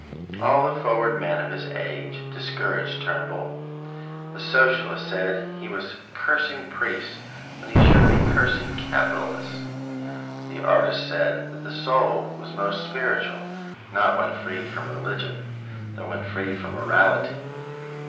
All the forward men of his age discouraged Turnbull. The socialists said he was cursing priests when he should be cursing capitalists. The artists said that the soul was most spiritual, not when freed from religion, but when freed from morality.